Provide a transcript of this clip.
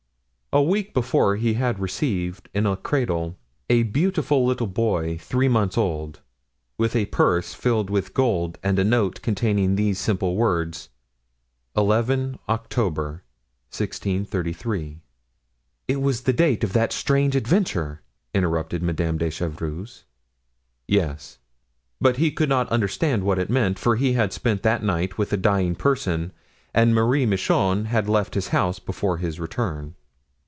A week before he had received, in a cradle, a beautiful little boy three months old, with a purse filled with gold and a note containing these simple words: '11 October, 1633.'" "It was the date of that strange adventure," interrupted Madame de Chevreuse. "Yes, but he couldn't understand what it meant, for he had spent that night with a dying person and Marie Michon had left his house before his return."